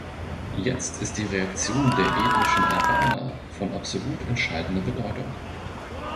Jetzt ist die Reaktion der ethnischen Albaner von absolut entscheidender Bedeutung.